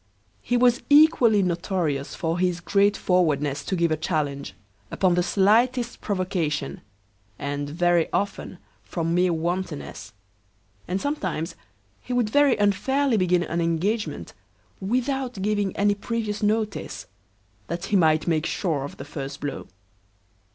He was equally notorious for his great forwardness to give a challenge, upon the slightest provocation, and very often from mere wantonness; and sometimes he would very unfairly begin an engagement without giving any previous notice, that he might make sure of the first blow.